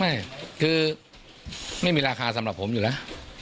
ไม่คือไม่มีราคาสำหรับผมอยู่นะ